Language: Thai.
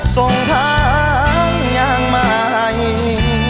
ส่งทางอย่างใหม่